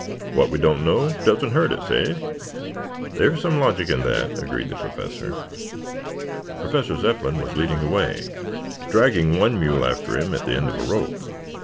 What we don't know doesn't hurt us, eh?" "There is some logic in that," agreed the Professor. Professor Zepplin was leading the way, dragging one mule after him at the end of a rope.